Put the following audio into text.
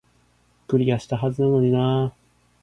クリアしたはずなのになー